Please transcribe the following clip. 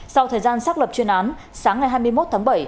sau thời gian xác lập chuyên án sáng ngày hai mươi một tháng bảy